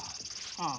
ああ。